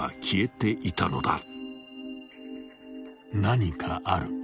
［何かある］